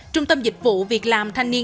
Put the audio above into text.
trung tâm dịch vụ việc làm thanh niên